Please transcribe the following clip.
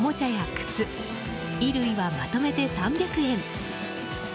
靴衣類はまとめて３００円。